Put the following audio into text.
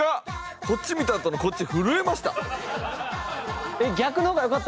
こっち見たあとのこっち震えました。